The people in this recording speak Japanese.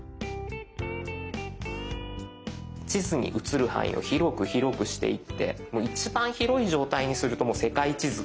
地図に映る範囲を広く広くしていってもう一番広い状態にするともう世界地図。